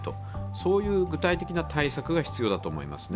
そういう具体的な対策が必要だと思いますね。